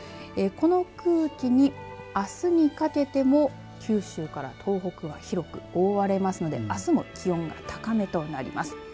この空気に、あすにかけても九州から東北は広く覆われますのであすも気温が高めとなります。